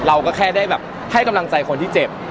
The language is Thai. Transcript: เราก็แค่ได้แบบให้กำลังใจคนที่เจ็บ